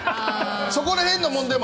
そこら辺の問題も。